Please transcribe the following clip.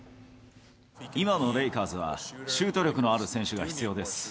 今のレイカーズは、シュート力のある選手が必要です。